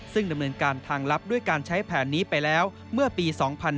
ซึ่งดำเนินการทางลับด้วยการใช้แผนนี้ไปแล้วเมื่อปี๒๕๕๙